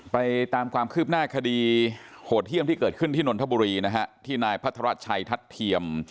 ไปตามความคืบหน้าคดีโหดเยี่ยมที่เกิดขึ้นที่นนทบุรีนะฮะที่นายพัทรชัยทัศน์เทียม